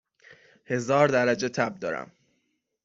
هزار درجه تب دارم